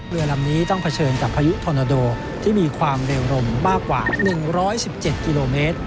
เรือลำนี้ต้องเผชิญกับพายุธอนาโดที่มีความเร็วลมมากกว่า๑๑๗กิโลเมตร